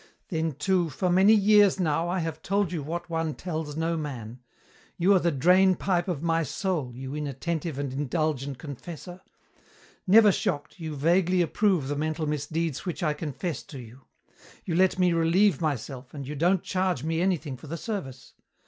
"Then too, for many years now, I have told you what one tells no man. You are the drain pipe of my soul, you inattentive and indulgent confessor. Never shocked, you vaguely approve the mental misdeeds which I confess to you. You let me relieve myself and you don't charge me anything for the service.